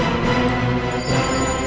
ampunilah ya allah